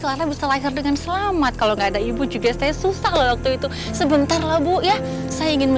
aku akan selamatkan tante anis